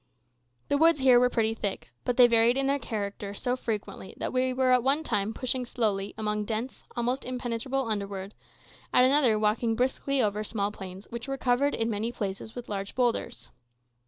The woods here were pretty thick, but they varied in their character so frequently that we were at one time pushing slowly among dense, almost impenetrable underwood, at another walking briskly over small plains which were covered in many places with large boulders.